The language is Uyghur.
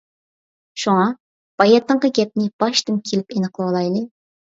شۇڭا، باياتىنقى گەپنى باشتىن كېلىپ ئېنىقلىۋالايلى.